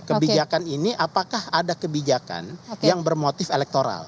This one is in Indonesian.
kebijakan ini apakah ada kebijakan yang bermotif elektoral